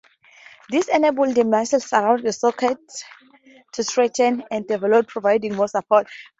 This enables the muscles around the sockets to strengthen and develop, providing more support.